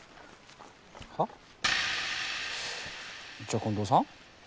じゃあ近藤さん？